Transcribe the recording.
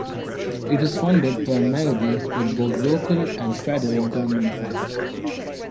It is funded primarily with both local and federal government funds.